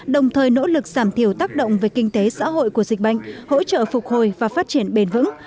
đồng thời nỗ lực giảm thiểu tác động về kinh tế xã hội của dịch bệnh hỗ trợ phục hồi và phát triển bền vững